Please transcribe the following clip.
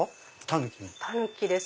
タヌキに。